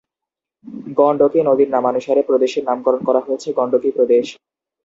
গণ্ডকী নদীর নামানুসারে প্রদেশের নামকরণ করা হয়েছে "গণ্ডকী প্রদেশ"।